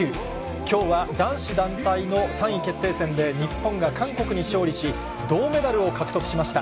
きょうは男子団体の３位決定戦で日本が韓国に勝利し、銅メダルを獲得しました。